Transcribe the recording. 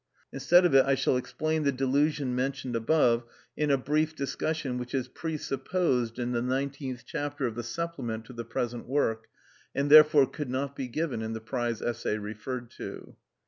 Instead of it I shall explain the delusion mentioned above in a brief discussion which is presupposed in the nineteenth chapter of the supplement to the present work, and therefore could not be given in the prize essay referred to.